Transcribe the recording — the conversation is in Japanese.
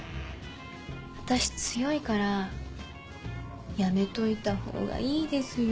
私強いからやめといたほうがいいですよ。